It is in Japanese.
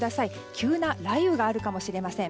急な雷雨があるかもしれません。